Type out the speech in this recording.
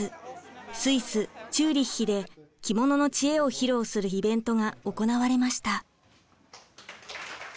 スイスチューリッヒで着物の知恵を披露するイベントが行われました。